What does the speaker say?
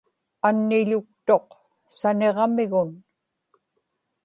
anniḷuktuq saniġamigun